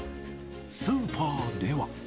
スーパーでは。